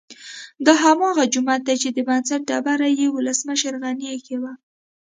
دا هماغه جومات دی چې د بنسټ ډبره یې ولسمشر غني ايښې وه